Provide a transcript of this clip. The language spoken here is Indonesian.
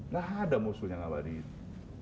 nggak ada musuh yang ala diri itu